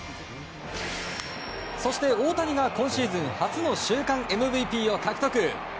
そして、大谷が今シーズン初の週間ＭＶＰを獲得。